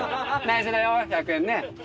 内緒だよ１００円ね。